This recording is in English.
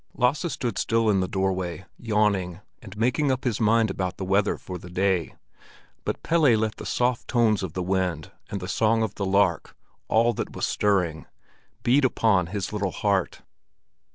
Lasse stood still in the doorway, yawning, and making up his mind about the weather for the day; but Pelle let the soft tones of the wind and the song of the lark—all that was stirring—beat upon his little heart.